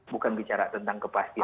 bukan bicara tentang kepastian